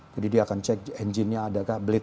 jadi dia akan cek enjinnya adakah bleed